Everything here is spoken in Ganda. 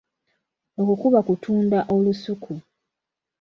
Okwo kuba kutunda olusuku.